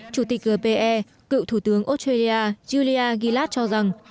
chủ tịch gpe cựu thủ tướng australia julia gilat cho rằng